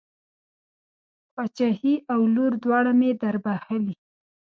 پاچهي او لور دواړه مې در بښلې.